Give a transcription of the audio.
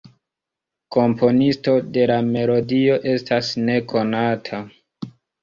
Komponisto de la melodio estas nekonata.